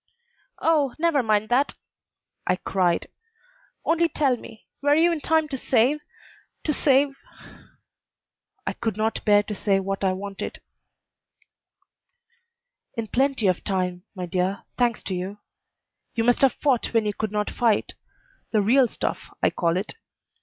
"Oh, never mind that!" I cried: "only tell me, were you in time to save to save " I could not bear to say what I wanted. "In plenty of time, my dear; thanks to you. You must have fought when you could not fight: the real stuff, I call it.